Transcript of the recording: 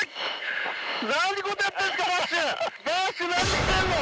何てことやってんすか！